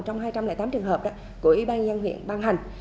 trong hai trăm linh tám trường hợp của ủy ban nhân dân huyện ban hành